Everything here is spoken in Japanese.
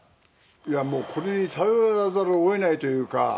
いやもう、これに頼らざるをえないというか。